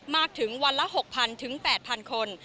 มากถึงวันละ๖๐๐๐๘๐๐๐คน